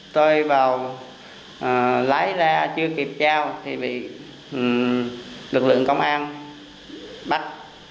tôi vào lái ra chưa kịp trao thì bị lực lượng công an bắt